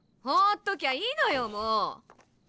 放っときゃいいのよもう！